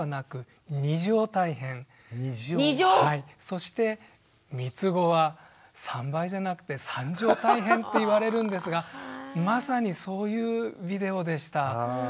そしてみつごは３倍じゃなくて３乗大変って言われるんですがまさにそういうビデオでした。